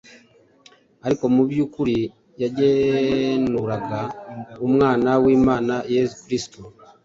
Ariko mu by‟ukuri yagenuraga umwana w‟Imana Yezu Kristu